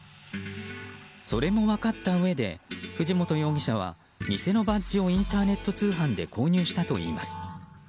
それも分かったうえで藤本容疑者は偽のバッジをインターネット通販で購入したといいます。